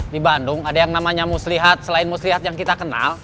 di bandung ada yang namanya muslihat selain muslihat yang kita kenal